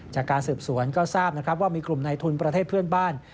จากการสืบสวนก็ทราบนะครับว่ามีกลุ่มในทุนประเทศเพื่อนบ้าน